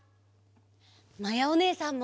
まやおねえさんも！